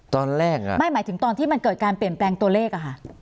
ตอนแรกอ่ะไม่หมายถึงตอนที่มันเกิดการเปลี่ยนแปลงตัวเลขอะค่ะ